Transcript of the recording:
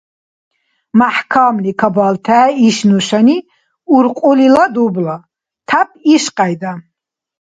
МяхӀкамли кабалтехӀе иш нушани уркьулила дубла. Тяп ишкьяйда.